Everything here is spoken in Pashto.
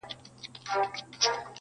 یو له بله یې کړل بيل نیژدې کورونه!!